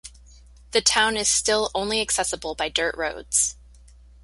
The town is still only accessible by dirt roads.